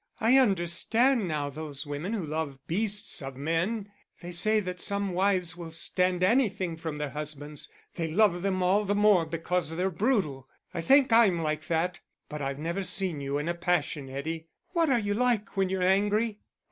"I understand now those women who love beasts of men. They say that some wives will stand anything from their husbands; they love them all the more because they're brutal. I think I'm like that; but I've never seen you in a passion, Eddie. What are you like when you're angry?"